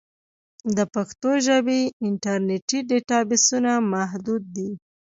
د پښتو ژبې انټرنیټي ډیټابېسونه محدود دي.